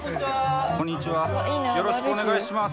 よろしくお願いします。